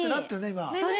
今。